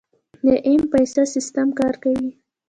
د ایم پیسه سیستم کار کوي؟